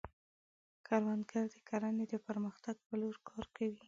کروندګر د کرنې د پرمختګ په لور کار کوي